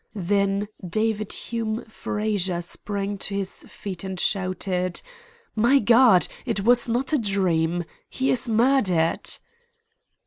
"Then David Hume Frazer sprang to his feet and shouted: "'My God! It was not a dream. He is murdered!'